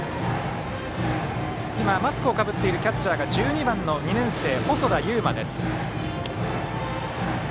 今、マスクをかぶっているキャッチャーが１２番の２年生、細田悠真です。